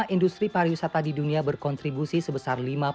industri pariwisata di dunia berkontribusi sebesar lima